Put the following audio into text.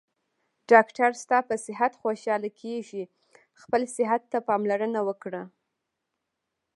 ډاکټر ستاپه صحت خوشحاله کیږي خپل صحته پاملرنه وکړه